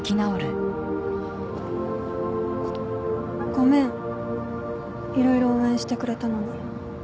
ごめん色々応援してくれたのに。